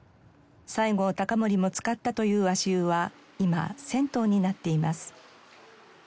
西郷隆盛も浸かったという足湯は今銭湯になっています。